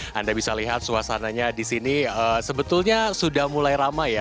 anda bisa lihat suasananya di sini sebetulnya sudah mulai ramai ya